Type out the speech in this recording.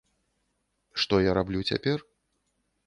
Што я раблю цяпер?